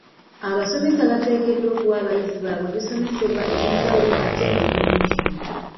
Abasomesa bateekeddwa okuwa abayizi baabwe ebisomesebwa eby'enjawulo ate mu bungi.